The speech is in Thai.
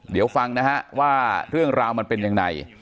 เดี๋ยวฟังนะฮะว่าเรื่องราวมันเป็นยังไง